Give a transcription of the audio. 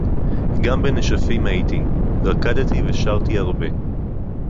גם בנשפים הייתי, רקדתי ושרתי הרבה.